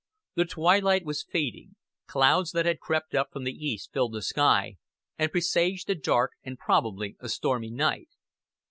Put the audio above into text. The twilight was fading rapidly; clouds that had crept up from the east filled the sky, and presaged a dark and probably a stormy night.